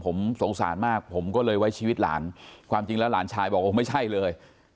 ผมสงสารมากผมก็เลยไว้ชีวิตหลานความจริงแล้วหลานชายบอกโอ้ไม่ใช่เลย